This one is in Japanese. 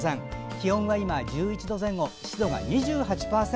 気温は今１１度前後湿度は２８％